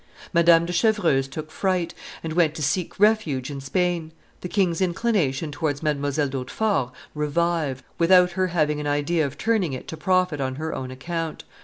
Madame de Chevreuse took fright, and went to seek refuge in Spain. The king's inclination towards Mdlle. d'Hautefort revived, without her having an idea of turning it to profit on her own account.